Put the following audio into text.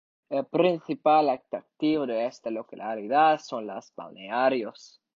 El principal atractivo de esta localidad son los balnearios.